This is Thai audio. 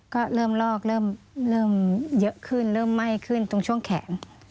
ก็เริ่มลอกเริ่มเยอะขึ้นเริ่มไหม้ขึ้นตรงช่วงแขน